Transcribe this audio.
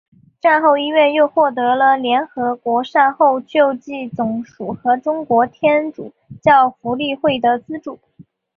战后医院又获得了联合国善后救济总署和中国天主教福利会的资助。